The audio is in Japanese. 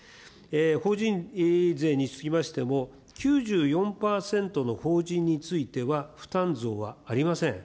法人税につきましても、９４％の法人については、負担増はありません。